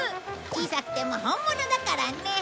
小さくても本物だからね！